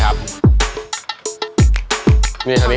มันเป็นอะไร